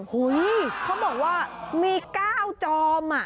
เขาบอกว่ามี๙จอม